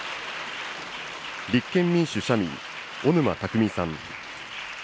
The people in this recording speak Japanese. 立憲民主・社民、小沼巧さん。